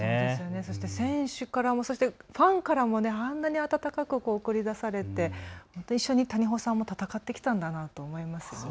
そして選手からもファンからもあんなに温かく送り出されて一緒に谷保さんも戦ってきたんだなと思います。